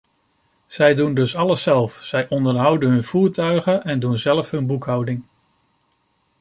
Zij doen dus alles zelf: zij onderhouden hun voertuigen en doen zelf hun boekhouding.